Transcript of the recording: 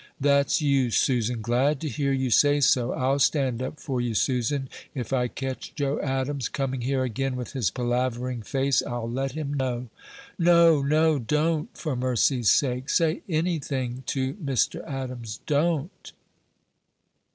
"That's you, Susan! Glad to hear you say so! I'll stand up for you, Susan; if I catch Joe Adams coming here again with his palavering face, I'll let him know!" "No, no! Don't, for mercy's sake, say any thing to Mr. Adams don't!"